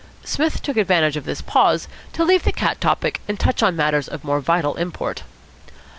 Psmith took advantage of the pause to leave the cat topic and touch on matter of more vital import.